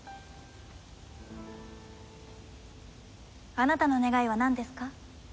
あなたの願いはなんですか？